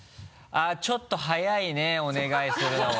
ちょっと早いねお願いするのが。